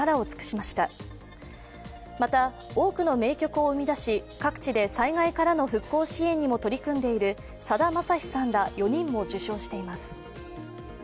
また、多くの名曲を生み出し、各地で災害からの復興支援にも取り組んでいるさだまさしさんら４人も受賞しています。